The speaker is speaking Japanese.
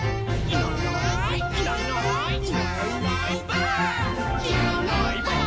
「いないいないばあっ！」